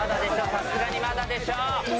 さすがにまだでしょ？